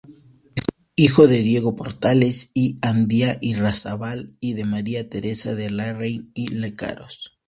Hijo de "Diego Portales y Andía-Irarrázabal" y de "María Teresa de Larraín y Lecaros".